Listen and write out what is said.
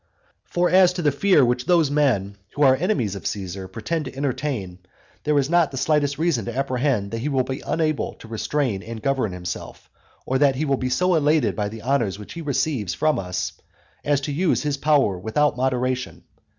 XVIII. For as to the fear which those men, who are enemies of Caesar, pretend to entertain, there is not the slightest reason to apprehend that he will be unable to restrain and govern himself, or that he will be so elated by the honours which he receives from us as to use his power with out moderation.